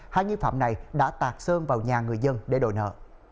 hai nghi phạm này đã tạc sơn vào nhà người dân để đổi nợ